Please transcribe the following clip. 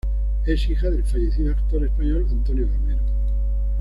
Es hija del fallecido actor español Antonio Gamero